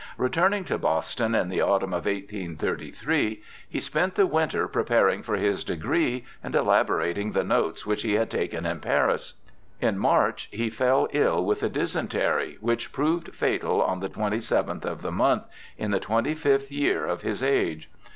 Returning to Boston in the autumn of 1833, he spent the winter preparing for his degree and elaborating the notes which he had taken in Paris. In March he fell ill with a dysentery, which proved fatal on the twenty seventh of the month, in the twenty fifth year of his age.